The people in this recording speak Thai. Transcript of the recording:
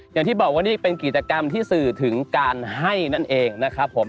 อย่างที่บอกว่านี่เป็นกิจกรรมที่สื่อถึงการให้นั่นเองนะครับผม